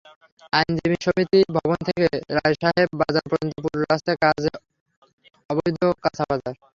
আইনজীবী সমিতি ভবন থেকে রায়সাহেব বাজার পর্যন্ত পুরো রাস্তায় রয়েছে অবৈধ কাঁচাবাজার।